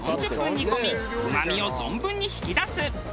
煮込みうまみを存分に引き出す。